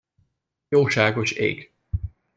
Jóságos ég!